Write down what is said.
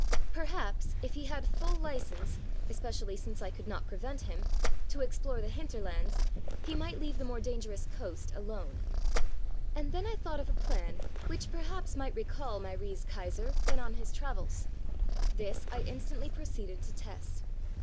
Perhaps, if he had full licence (especially since I could not prevent him) to explore the hinter lands, he might leave the more dangerous coast alone. ... And then I thought of a plan, which perhaps might recall my Reise Kaiser, when on his travels. This I instantly proceeded to test.